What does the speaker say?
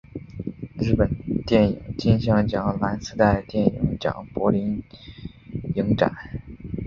日本电影金像奖蓝丝带电影奖柏林影展